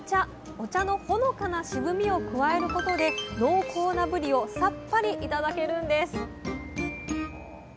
お茶のほのかな渋みを加えることで濃厚なぶりをサッパリ頂けるんです